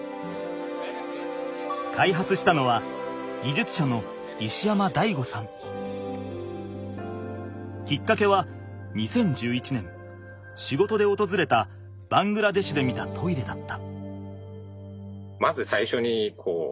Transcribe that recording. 開発したのはきっかけは２０１１年仕事でおとずれたバングラデシュで見たトイレだった。